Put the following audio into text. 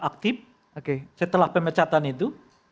aktif setelah pemecatan itu